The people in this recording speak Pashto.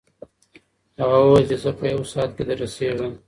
هغه وویل چې زه په یو ساعت کې دررسېږم.